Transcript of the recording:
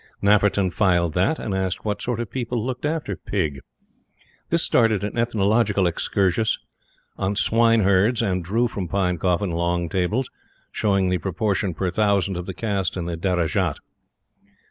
Nafferton filed that, and asked what sort of people looked after Pig. This started an ethnological excursus on swineherds, and drew from Pinecoffin long tables showing the proportion per thousand of the caste in the Derajat.